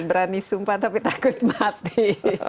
berani sumpah tapi takut mati